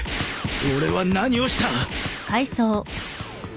俺は何をした？